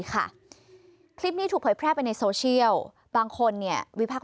คลิปนี้ถูกเผยแพร่ไปในโซเชียลบางคนเนี่ยวิพักษ